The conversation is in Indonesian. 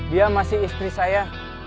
dia masih istri saya